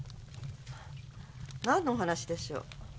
何のお話でしょう？